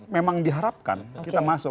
memang diharapkan kita masuk